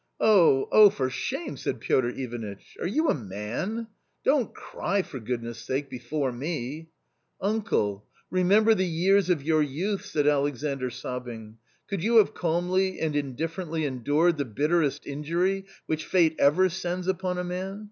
" Oh, oh ! for shame !" said Piotr Ivanitch ;" are you a man ? Don't cry, for goodness' sake, before me !"" Uncle ! remember the years of your youth," said Alexandr sobbing ;" could you have calmly and indiffer ently endured the bitterest injury which Fate ever sends upon a man